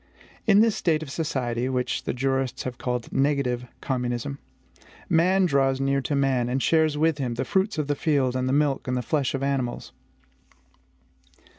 In this state of society, which the jurists have called NEGATIVE COMMUNISM man draws near to man, and shares with him the fruits of the field and the milk and flesh of animals.